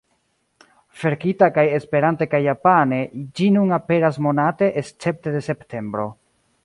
Verkita kaj Esperante kaj Japane ĝi nun aperas monate escepte de septembro.